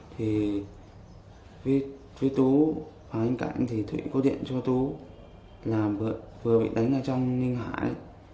thì với tú và anh cảnh thì thủy có điện cho tú là vừa bị đánh ở trong ninh hải